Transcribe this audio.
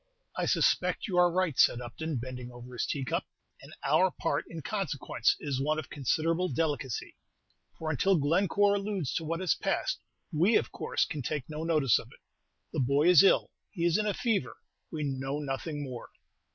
"I suspect you are right," said Upton, bending over his teacup; "and our part, in consequence, is one of considerable delicacy; for until Glencore alludes to what has passed, we of course, can take no notice of it. The boy is ill; he is in a fever: we know nothing more."